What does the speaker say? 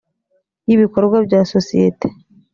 y ibikorwa bya sosiyete